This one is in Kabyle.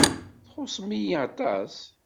Txuṣṣem-iyi aṭas.